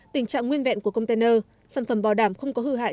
tình trạng nguyên vẹn của container sản phẩm bảo đảm không có hư hại